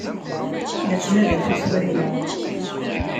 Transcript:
La ttnadiɣ tisura-inu.